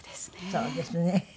そうですね。